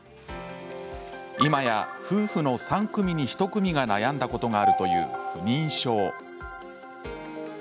今や、夫婦の３組に１組が悩んだことがあるという不妊症。